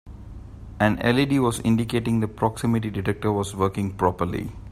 An LED was indicating the proximity detector was working properly.